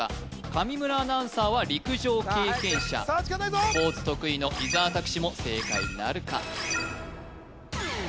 上村アナウンサーは陸上経験者スポーツ得意の伊沢拓司も正解なるか？